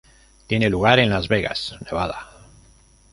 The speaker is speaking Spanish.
Tiene lugar en Las Vegas, Nevada.